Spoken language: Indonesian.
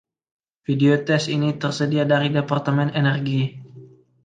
Video tes ini tersedia dari Departemen Energi.